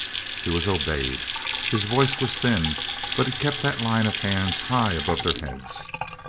He was obeyed. His voice was thin, but it kept that line of hands high above their heads.